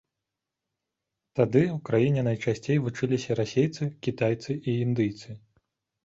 Тады ў краіне найчасцей вучыліся расейцы, кітайцы і індыйцы.